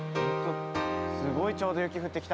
すごいちょうど雪降ってきた。